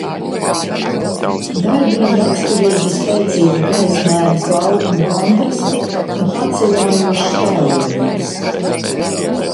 Darbiem raksturīgi spēcīgi gaismēnas laukumu kontrasti un pacilājošs tēlojums.